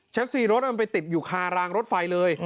๔รถมันไปติดอยู่คารางรถไฟเลย